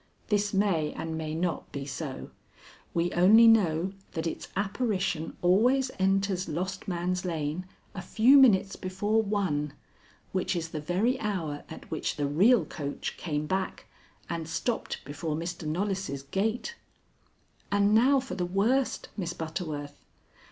This may and may not be so. We only know that its apparition always enters Lost Man's Lane a few minutes before one, which is the very hour at which the real coach came back and stopped before Mr. Knollys' gate. And now for the worst, Miss Butterworth.